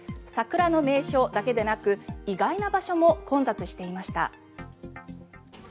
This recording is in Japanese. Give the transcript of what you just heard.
桜の名所だけでなく意外な場所も混雑していました。